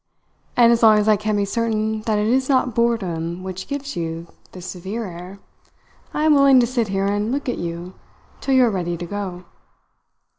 "And as long as I can be certain that it is not boredom which gives you this severe air, I am willing to sit here and look at you till you are ready to go."